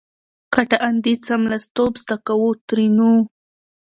کټه اندي څملستوب زده کو؛ ترينو